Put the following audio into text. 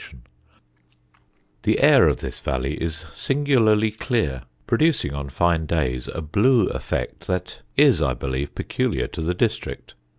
[Sidenote: THE OUSE VALLEY] The air of this valley is singularly clear, producing on fine days a blue effect that is, I believe, peculiar to the district.